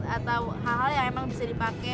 atau hal hal yang emang bisa dipakai